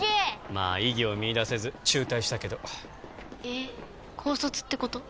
まあ意義を見いだせず中退したけどえっ高卒ってこと？